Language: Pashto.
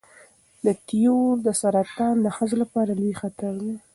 د تیو سرطان د ښځو لپاره لوی خطر دی.